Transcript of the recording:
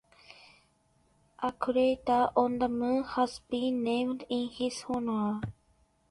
A crater on the moon has been named in his honor.